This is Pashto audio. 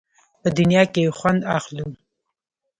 په دنیا کې یې خوند اخلو.